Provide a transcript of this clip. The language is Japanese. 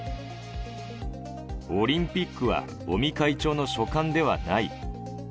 オリンピックは尾身会長の所管ではない。